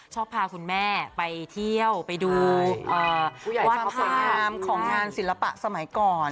ชอบพาคุณแม่ไปเที่ยวไปดูวาดภาพผู้ใหญ่ชอบสวยงามของงานศิลปะสมัยก่อน